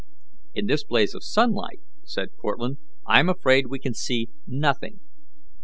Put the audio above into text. "In this blaze of sunlight," said Cortlandt, "I am afraid we can see nothing."